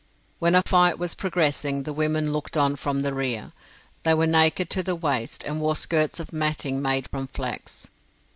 When a fight was progressing the women looked on from the rear. They were naked to the waist, and wore skirts of matting made from flax.